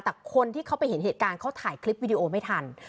แต่คนที่เขาไปเห็นเหตุการณ์เขาถ่ายคลิปวิดีโอไม่ทัน